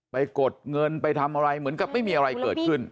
กดเงินไปทำอะไรเหมือนกับไม่มีอะไรเกิดขึ้น